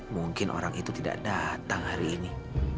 mungkin orang itu tidak datang hari ini